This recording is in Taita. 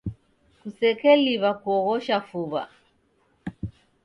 Kusekeliw'a kuoghosha fuw'a.